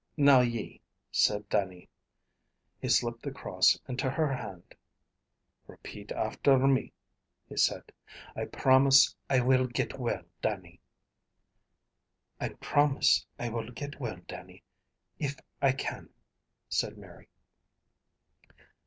"Now ye," said Dannie. He slipped the cross into her hand. "Repeat after me," he said. "I promise I will get well, Dannie." "I promise I will get well, Dannie, if I can," said Mary.